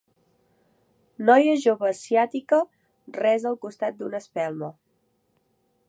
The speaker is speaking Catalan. Noia jove asiàtica resa al costat d'una espelma.